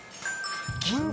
銀座